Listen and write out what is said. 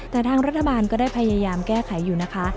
แต่ทางรัฐบาลก็ได้พยายามแก้ไขอยู่นะคะ